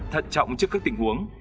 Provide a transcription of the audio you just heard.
thận trọng trước các tình huống